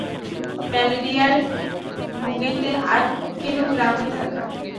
ম্যালেরিয়ায় ভুগিতে আর কেন গ্রামে থাকা?